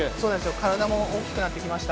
体も大きくなってきました。